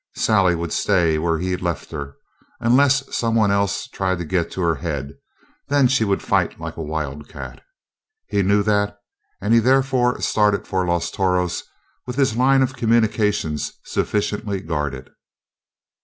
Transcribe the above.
Sally would stay where he left her unless someone else tried to get to her head, and then she would fight like a wildcat. He knew that, and he therefore started for Los Toros with his line of communications sufficiently guarded.